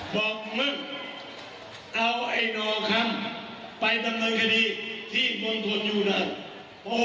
บอกมึงเอาไอ้นอคัมไปดำเนินคดีที่มงธนยุนัน